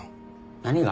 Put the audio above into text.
何が？